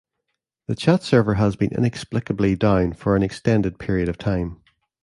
The chat server has been inexplicably down for an extended period of time.